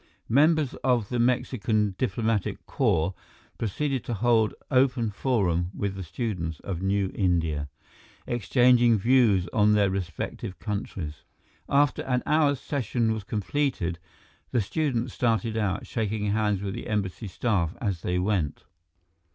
Members of the Mexican diplomatic corps proceeded to hold open forum with the students of New India, exchanging views on their respective countries. After an hour's session was completed, the students started out, shaking hands with the Embassy staff as they went.